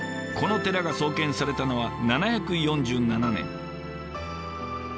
この寺が創建されたのは７４７年。